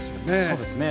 そうですね。